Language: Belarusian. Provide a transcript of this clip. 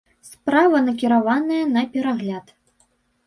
Справа накіраваная на перагляд.